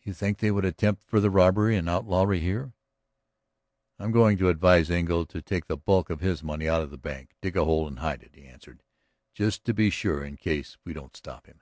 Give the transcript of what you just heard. "You think that they would attempt further robbery and outlawry here?" "I am going to advise Engle to take the bulk of his money out of the bank, dig a hole, and hide it," he answered. "Just to be sure in case we don't stop them."